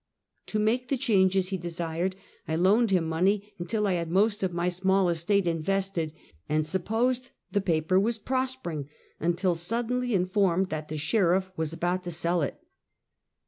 To make the changes he desired, I loaned him money until I had most of my small estate invested, and sup posed the paper was prospering until suddenly in formed that the sheriff" was about to sell it.